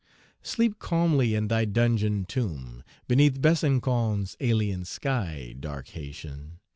Sleep calmly in thy dungeon tomb, Beneath Besancon's alien sky, Dark Haytian!